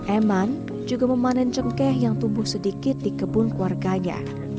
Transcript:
eman juga memanen cengkeh yang tumbuh sedikit di kebun keluarganya